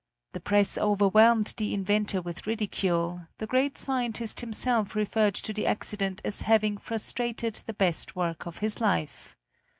The press overwhelmed the inventor with ridicule; the great scientist himself referred to the accident as having frustrated the best work of his life.